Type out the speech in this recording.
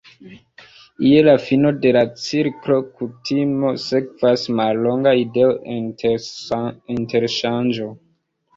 Je la fino de la cirklo kutime sekvas mallonga ideo-interŝanĝo.